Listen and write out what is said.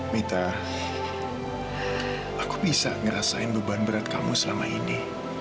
mita aku bisa ngerasain beban berat kamu selama ini